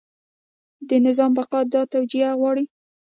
د نظام بقا دا توجیه غواړي.